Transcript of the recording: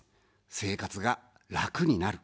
生活が楽になる。